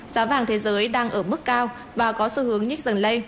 giá vàng thế giới đang ở mức cao và có xu hướng nhất